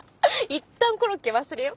いったんコロッケ忘れよ。